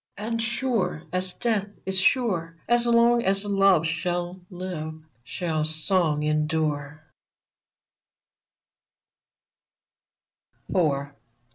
And sure as death is sure. As long as love shall live, shall song endure I " IV.